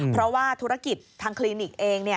เพราะว่าธุรกิจทางคลินิกเอง